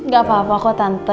gak apa apa kok tante